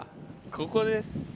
ここです。